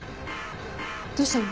どうしたの？